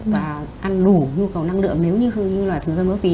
và ăn đủ nhu cầu năng lượng nếu như như là thường dân nước phi